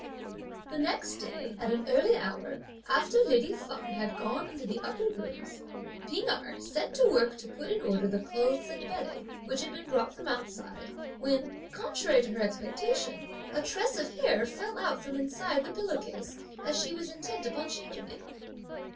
The next day, at an early hour, after lady Feng had gone into the upper rooms, P'ing Erh set to work to put in order the clothes and bedding, which had been brought from outside, when, contrary to her expectation, a tress of hair fell out from inside the pillow case, as she was intent upon shaking it.